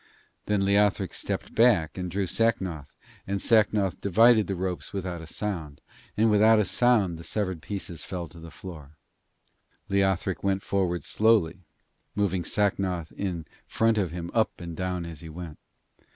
Then Leothric stepped back and drew Sacnoth, and Sacnoth divided the ropes without a sound, and without a sound the severed pieces fell to the floor. Leothric went forward slowly, moving Sacnoth in front of him up and down as he went.